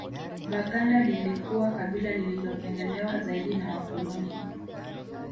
Baganda lilikuwa kabila lililopendelewa zaidi na Wakoloni